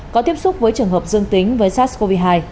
có tiếp xúc với trường hợp dương tính với sars cov hai